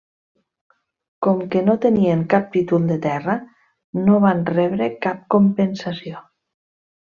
Com que no tenien cap títol de terra, no van rebre cap compensació.